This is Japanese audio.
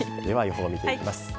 では予報見ていきます。